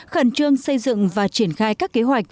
khẩn trương xây dựng và triển khai các kế hoạch